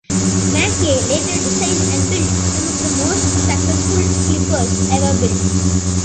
McKay later designed and built some of the most successful clippers ever built.